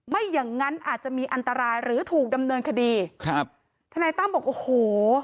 อย่างงั้นอาจจะมีอันตรายหรือถูกดำเนินคดีครับทนายตั้มบอกโอ้โห